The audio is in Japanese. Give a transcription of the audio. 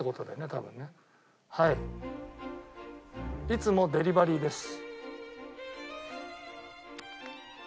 いつもデリバリーです。